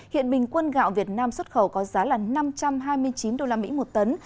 hiện bình quân gạo việt nam xuất khẩu có giá là năm trăm hai mươi chín usd một tấn